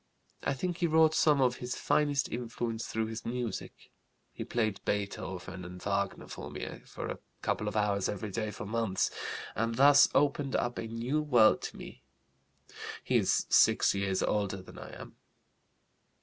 I think he wrought some of his finest influence through his music. He played Beethoven and Wagner for me for a couple of hours every day for months, and thus opened up a new world to me.... He is six years older than I am.